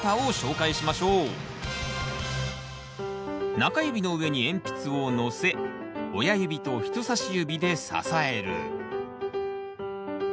中指の上に鉛筆をのせ親指と人さし指で支える。